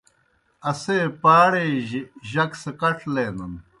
اسے پاڑے جیْ جک سہ کڇ لینَن۔